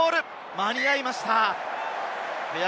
間に合いました！